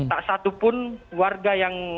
tak satupun warga yang